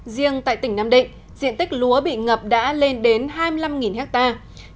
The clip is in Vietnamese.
riêng tại tỉnh nam định diện tích lúa bị ngập đã lên đến hai mươi năm hectare